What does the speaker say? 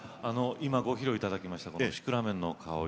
今ご披露いただきました「シクラメンのかほり」